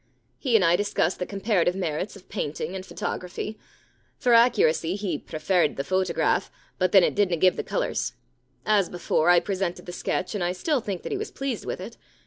He and I dis cussed the comparative merits of painting and photography. For accuracy he prefaired the photograph, but then it didna give the colours. As before, I presented the sketch, and I still think that he was pleased with it.